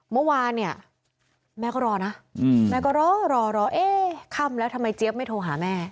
เมื่อวานเนี่ยแม่ก็รอนะแม่ก็รอรอเอ๊ะค่ำแล้วทำไมเจี๊ยบไม่โทรหาแม่